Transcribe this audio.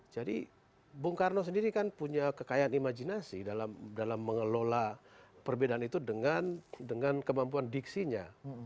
jadi bung karno sendiri kan punya kekayaan imajinasi dalam mengelola perbedaan itu dengan kemampuan diksinya